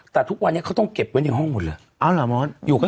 แต่ทุกวันนี้เขาต้องเก็บไว้ในห้องหมดเลย